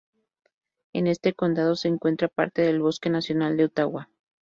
En este condado se encuentra parte del bosque nacional de "Ottawa".